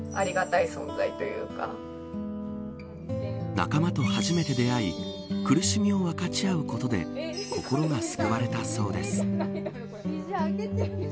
仲間と初めて出会い苦しみを分かち合うことで心が救われたそうです。